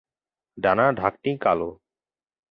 ডানা-ঢাকনি কালো।